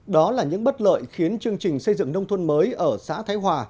đó là những bất lợi khiến chương trình xây dựng nông thôn mới ở xã thái hòa